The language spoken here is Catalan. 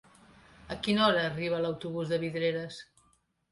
A quina hora arriba l'autobús de Vidreres?